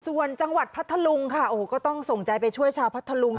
ส่วนจังหวัดพัทธลุงค่ะโอ้โหก็ต้องส่งใจไปช่วยชาวพัทธลุง